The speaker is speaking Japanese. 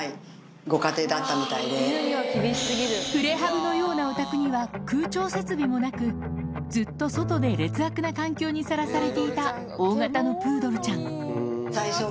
プレハブのようなお宅には空調設備もなくずっと外で劣悪な環境にさらされていた大型のプードルちゃん